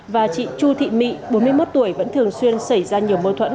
và chị chu thị mỹ bốn mươi một tuổi vẫn thường xuyên xảy ra nhiều mối thuẫn